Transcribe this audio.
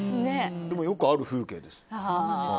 でも、よくある風景です。